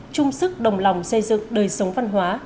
chung sức đồng lòng xây dựng đời sống văn hóa